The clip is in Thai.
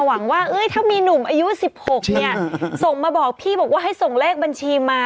อายุ๑๖เนี่ยส่งมาบอกพี่บอกว่าให้ส่งเลขบัญชีมา